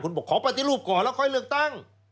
คุณบอกขอปฏิรูปก่อนแล้วค่อยเลือกตั้ง